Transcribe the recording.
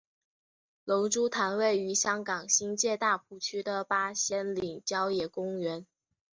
龙珠潭位于香港新界大埔区的八仙岭郊野公园。